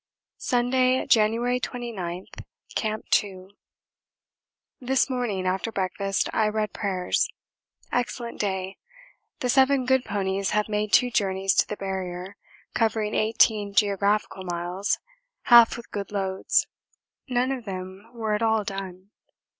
Sunday, January 29. Camp 2. This morning after breakfast I read prayers. Excellent day. The seven good ponies have made two journeys to the Barrier, covering 18 geographical miles, half with good loads none of them were at all done.